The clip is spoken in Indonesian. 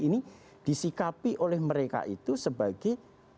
ini disikapi oleh mereka itu sebagai